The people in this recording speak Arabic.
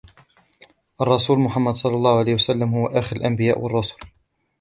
الرسول محمد صلى الله عليه وسلم هو آخر الانبياء و المرسلين.